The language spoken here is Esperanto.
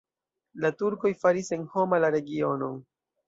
La turkoj faris senhoma la regionon.